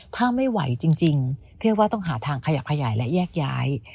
ถ้าไม่ไหวจริงพี่อ้อยว่าต้องหาทางขยับขยายและแยกย้าย